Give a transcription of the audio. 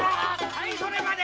はいっそれまで！